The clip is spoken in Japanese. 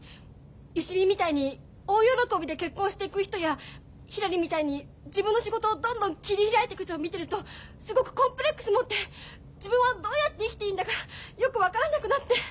芳美みたいに大喜びで結婚していく人やひらりみたいに自分の仕事をどんどん切り開いていく人を見てるとすごくコンプレックス持って自分はどうやって生きていいんだかよく分からなくなって。